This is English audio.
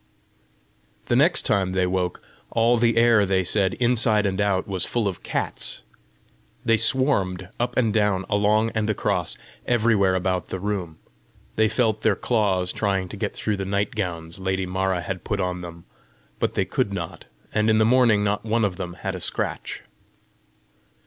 The next time they woke, all the air, they said, inside and out, was full of cats. They swarmed up and down, along and across, everywhere about the room. They felt their claws trying to get through the night gowns lady Mara had put on them, but they could not; and in the morning not one of them had a scratch.